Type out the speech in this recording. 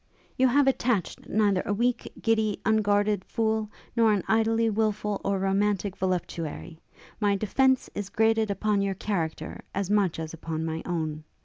'You have attached neither a weak, giddy, unguarded fool, nor an idly wilful or romantic voluptuary. My defence is grated upon your character as much as upon my own.